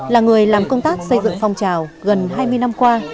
là người làm công tác xây dựng phong trào gần hai mươi năm qua